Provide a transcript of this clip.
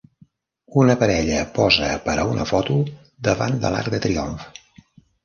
Una parella posa per a una foto davant de l'Arc de triomf.